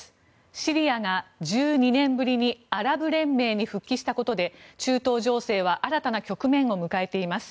シリアが１２年ぶりにアラブ連盟に復帰したことで中東情勢は新たな局面を迎えています。